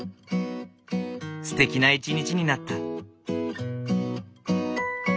すてきな一日になった。